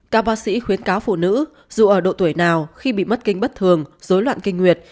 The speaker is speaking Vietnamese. các bác sĩ khuyến cáo phụ nữ dù ở độ tuổi nào khi bị mất kinh bất thường dối loạn kinh nguyệt